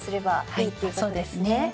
はいそうですね。